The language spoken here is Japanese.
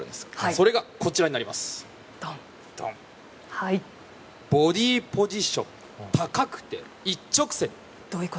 それが、ボディーポジション高くて一直線。